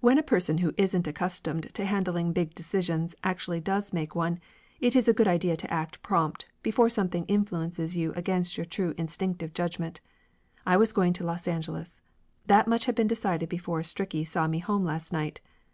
When a person who isn't accustomed to handling big decisions actually does make one it is a good idea to act prompt, before something influences you against your true instinctive judgment. I was going to Los Angeles. That much had been decided before Stricky saw me home last night.